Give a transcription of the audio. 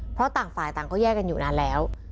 เพราะต่างฝ่ายต่างก็แยกกันอยู่นานแล้ว